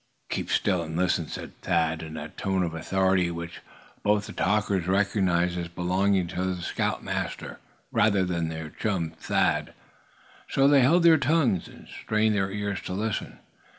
"Keep still, and listen," said Thad, in that tone of authority which both the talkers recognized as belonging to the scoutmaster, rather than their Chum Thad. So they held their tongues, and strained their ears to listen.